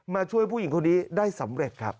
ช่วยผู้หญิงคนนี้ได้สำเร็จครับ